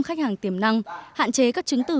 khách hàng tiềm năng hạn chế các chứng tử